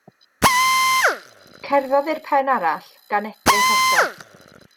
Cerddodd i'r pen arall, gan edrych eto.